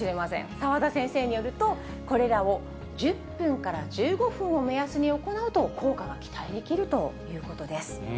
澤田先生によると、これらを１０分から１５分を目安に行うと効果が期待できるということです。